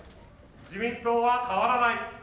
自民党は変わらない。